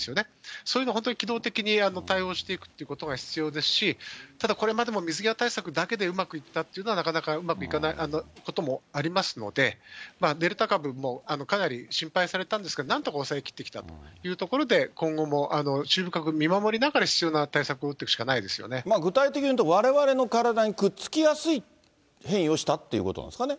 そういうの本当に機動的に対応していくということが必要ですし、ただ、これまでも水際対策だけでうまくいってたというのはなかなかうまくいかないこともありますので、デルタ株もかなり心配されたんですけど、なんとか抑えきってきたというところで、今後も注意深く見守りながら、必要な対策を打っていくしかないで具体的に言うと、われわれの体にくっつきやすい変異をしたということなんですかね。